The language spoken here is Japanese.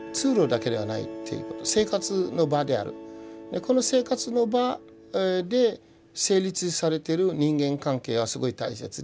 この生活の場で成立されている人間関係はすごい大切で。